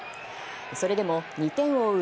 それでも２点を追う